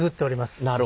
なるほど。